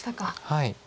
はい。